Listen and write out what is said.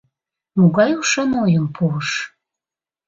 «Могай ушан ойым пуыш!